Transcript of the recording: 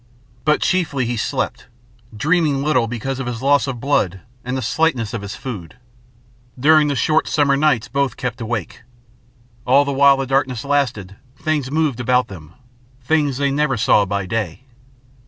But chiefly he slept, dreaming little because of his loss of blood and the slightness of his food. During the short summer night both kept awake. All the while the darkness lasted things moved about them, things they never saw by day.